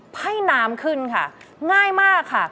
ไพ่น้ำขึ้นค่ะง่ายมากค่ะ